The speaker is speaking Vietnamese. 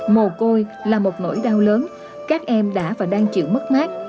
mồ côi là một nỗi đau lớn các em đã và đang chịu mất mát